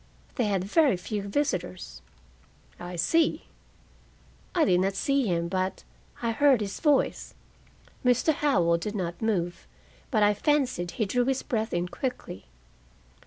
"They had very few visitors." "I see." "I did not see him, but I heard his voice." Mr. Howell did not move, but I fancied he drew his breath in quickly.